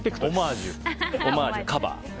オマージュ、カバー。